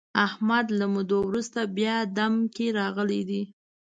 احمد له مودو ورسته بیا دم کې راغلی دی.